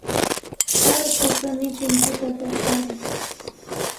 Allqu kanikun tutapaqariq